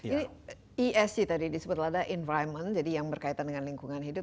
ini esg tadi disebut ada environment jadi yang berkaitan dengan lingkungan hidup